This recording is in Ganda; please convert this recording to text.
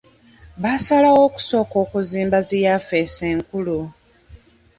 Basalawo okusooka okuzimba zi yafesi enkulu.